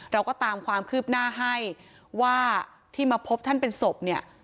เราก็ตามความคืบหน้าให้ว่าที่มาพบท่านเป็นศพเนี่ย